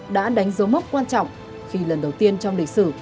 đã đánh dấu mốc quan trọng khi lần đầu tiên trong lịch sử